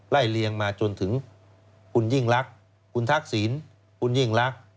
เลียงมาจนถึงคุณยิ่งรักคุณทักษิณคุณยิ่งรัก